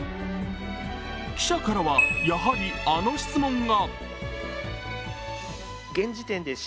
記者からは、やはりあの質問が。